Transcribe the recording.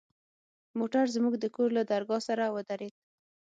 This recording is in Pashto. موټر زموږ د کور له درگاه سره ودرېد.